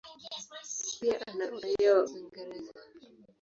Pia ana uraia wa Uingereza.